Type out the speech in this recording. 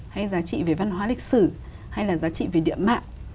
hay giá trị về văn hóa lịch sử hay là giá trị về địa mạng